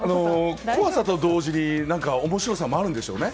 怖さと同時に面白さもあるんでしょうね。